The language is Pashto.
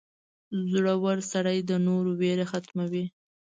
• زړور سړی د نورو ویره ختموي.